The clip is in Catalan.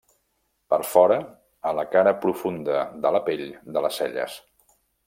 Per fora, a la cara profunda de la pell de les celles.